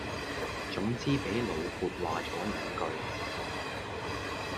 總之俾老闊話左兩句